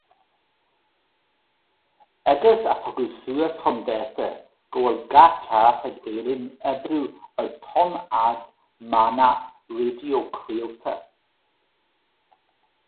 Agus a tugadh suas chun dáta, go bhfuil gach ceart ag Éirinn oibriú ar thonnfhad meánach raidió craolta.